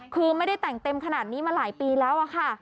คือไม่ได้แต่งเต็มขนาดนี้มาหลายปีแล้วอะค่ะ